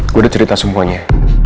gue udah cerita semuanya